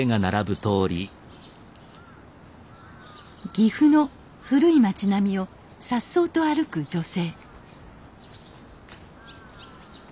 岐阜の古い町並みをさっそうと歩く女性